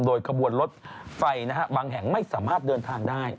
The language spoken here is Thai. โดยขบวนรถไฟบางแห่งไม่สามารถเดินทางได้